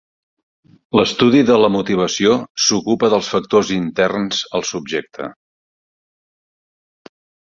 L'estudi de la motivació s'ocupa dels factors interns al subjecte.